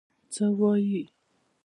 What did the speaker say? څه وايي.